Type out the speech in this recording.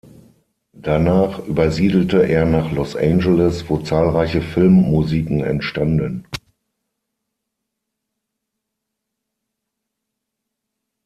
Danach übersiedelte er nach Los Angeles, wo zahlreiche Filmmusiken entstanden.